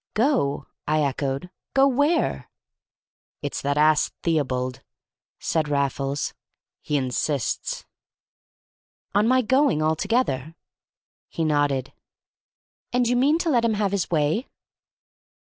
"Go?" I echoed. "Go where?" "It's that ass Theobald," said Raffles. "He insists." "On my going altogether?" He nodded. "And you mean to let him have his way?"